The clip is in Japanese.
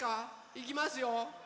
いきますよ。